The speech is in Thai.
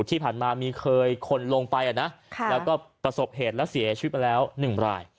ที่ผ่านมามีเคยคนลงไปนะแล้วก็ประสบเหตุแล้วเสียชีวิตมาแล้ว๑ราย